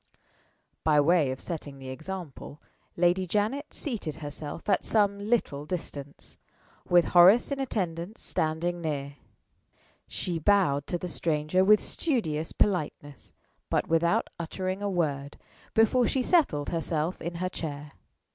By way of setting the example, Lady Janet seated herself at some little distance, with Horace in attendance standing near. She bowed to the stranger with studious politeness, but without uttering a word, before she settled herself in her chair.